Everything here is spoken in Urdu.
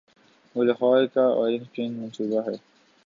وہ لاہور کا اورنج ٹرین منصوبہ ہے۔